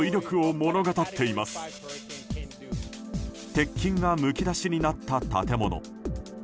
鉄筋がむき出しになった建物。